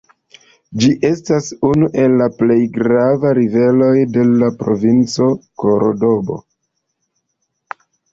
Ĝi estas unu el la plej gravaj riveroj de la provinco Kordobo.